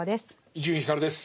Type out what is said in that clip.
伊集院光です。